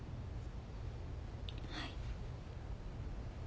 はい。